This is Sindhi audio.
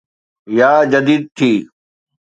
يا جديد ٿي